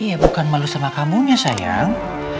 iya bukan malu sama kamu ya sayang